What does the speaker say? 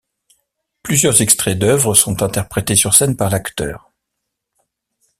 Plusieurs extraits d'œuvres sont interprétés sur scène par l'acteur.